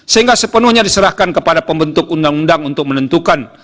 sehingga sepenuhnya diserahkan kepada pembentuk undang undang untuk menentukan